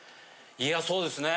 いやそうですね。